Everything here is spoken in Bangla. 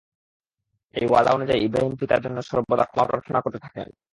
এই ওয়াদা অনুযায়ী ইবরাহীম পিতার জন্যে সর্বদা ক্ষমা প্রার্থনা করতে থাকেন।